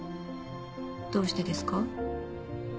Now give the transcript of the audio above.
どうしてですか？